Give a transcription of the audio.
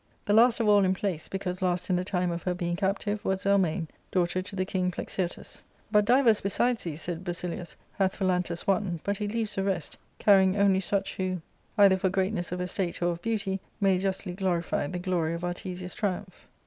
The last of all in place, because last in the time of her being captife, was 2^1mane, daughter to the king Plexirtus. "But divers besides these," said Basilius, " hath Phalahtus won ; but he leaves the rest, carrying only such who, either for G 2 84 ARCADIA,— Book I. greatness of estate or of beauty, may justly glorify the glory of Artesia's triumph."